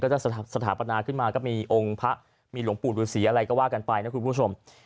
จะสถาปนาขึ้นมาก็มีองค์พระมีหลวงปู่ฤษีอะไรก็ว่ากันไปนะคุณผู้ชม